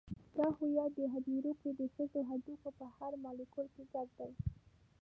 دا هویت په هدیرو کې د ښخو هډوکو په هر مالیکول کې ګډ دی.